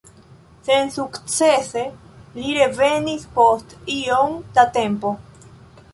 Sensukcese li revenis post iom da tempo.